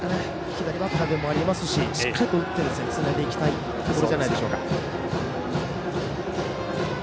左バッターでもありますししっかりと打ってつなげていきたいところじゃないでしょうか。